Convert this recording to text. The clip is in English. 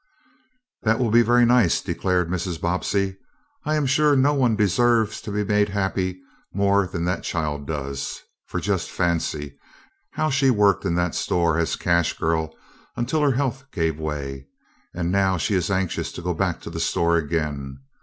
"That will be very nice," declared Mrs. Bobbsey. "I am sure no one deserves to be made happy more than that child does, for just fancy, how she worked in that store as cash girl until her health gave way. And now she is anxious to go back to the store again.